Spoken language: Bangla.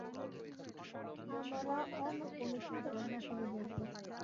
আমরা অন্য কোনো চিন্তাভাবনা করে দেখবো।